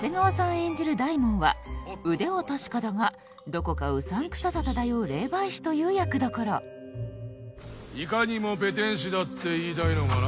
演じる大門は腕は確かだがどこかうさんくささ漂う霊媒師という役どころいかにもペテン師だって言いたいのかな？